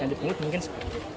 yang dipungut mungkin sepuluh